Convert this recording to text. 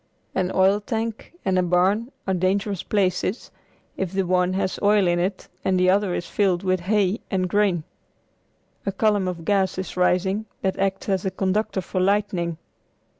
An oil tank and a barn are dangerous places, if the one has oil in it and the other is filled with hay and grain. A column of gas is rising that acts as a conductor for lightning.